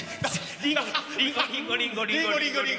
リンゴ、リンゴ！